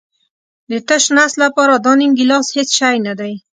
د تش نس لپاره دا نیم ګیلاس هېڅ شی نه دی.